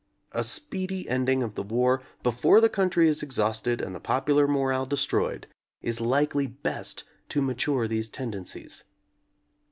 A speedy ending of the war, before the country is exhausted and the popular morale destroyed, is likely best to mature these tendencies.